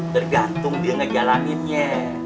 tergantung dia ngejalaninnya